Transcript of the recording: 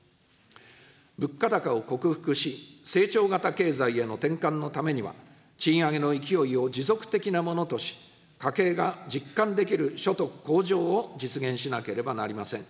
物価高を克服し、成長型経済への転換のためには、賃上げの勢いを持続的なものとし、家計が実感できる所得向上を実現しなければなりません。